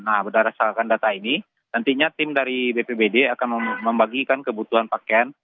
nah berdasarkan data ini nantinya tim dari bpbd akan membagikan kebutuhan pakaian